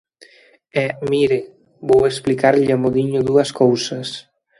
E, mire, vou explicarlle amodiño dúas cousas.